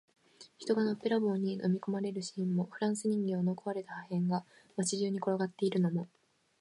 人がのっぺらぼうに飲み込まれるシーンも、フランス人形の壊れた破片が街中に転がっているのも、